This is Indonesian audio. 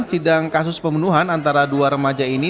sidang kasus pembunuhan antara dua remaja ini